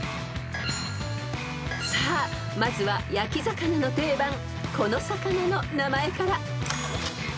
［さあまずは焼き魚の定番この魚の名前から］